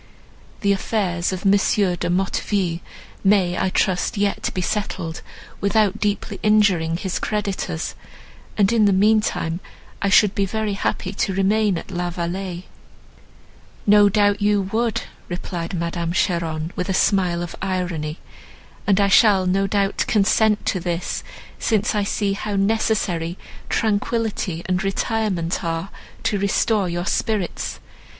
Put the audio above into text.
The affairs of M. de Motteville may, I trust, yet be settled without deeply injuring his creditors, and in the meantime I should be very happy to remain at La Vallée." "No doubt you would," replied Madame Cheron, with a smile of irony, "and I shall no doubt consent to this, since I see how necessary tranquillity and retirement are to restore your spirits.